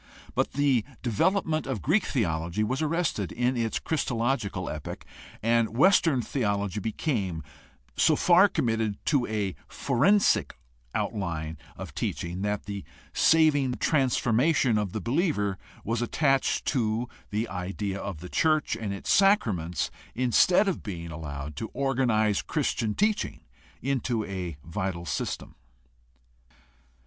But the development of Greek theology was arrested in its christological epoch, and Western theology became so far committed to a forensic outline of teaching that the saving transformation of the believer was attached to the idea of the church and its sacraments instead of being allowed to organize Christian teaching into a vital system.